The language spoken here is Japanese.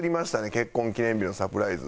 結婚記念日のサプライズ。